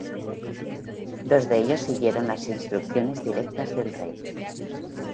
Dos de ellos siguieron las instrucciones directas del rey.